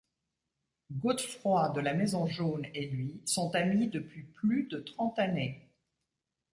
Godefroy de la maison Jaune et lui sont amis depuis plus de trente années.